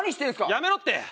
やめろって！